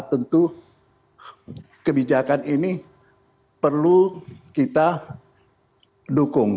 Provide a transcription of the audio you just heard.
tentu kebijakan ini perlu kita dukung